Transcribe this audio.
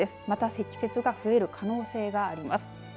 また、積雪が増える可能性があります。